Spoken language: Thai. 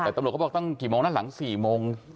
แต่ตำรวจเขาบอกตั้งกี่โมงด้านหลัง๔โมง